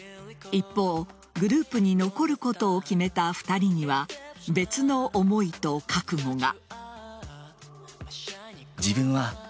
一方、グループに残ることを決めた２人には別の思いと覚悟が。